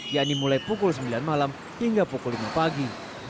yakni mulai pukul sembilan malam hingga pukul lima pagi